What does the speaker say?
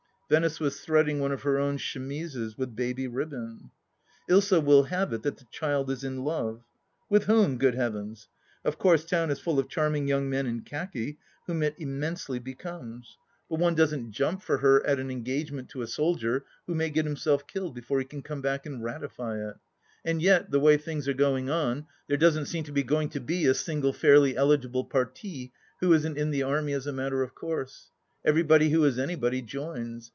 Venice was threading one of her own chemises with baby ribbon 1 Ilsa will have it that the child is in love ! With whom. Good Heavens 1 Of course town is full of charming young men in khaki, whom it immensely becomes. But one doesn't 148 THE LAST DITCH jump for her at an engagement to a soldier who may get himself killed before he can come back and ratify it ! And yet, the way things are going on, there doesn't seem to be going to be a single fairly eligible parti who isn't in the Army as a matter of course. Everybody who is anybody joins.